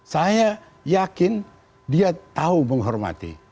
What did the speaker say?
saya yakin dia tahu menghormati